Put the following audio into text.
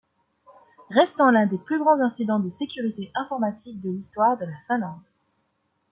Restant l'un des plus grands incidents de sécurité informatique de l'histoire de la Finlande.